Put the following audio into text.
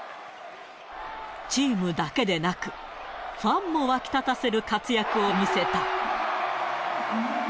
チームだけでなく、ファンも沸き立たせる活躍を見せた。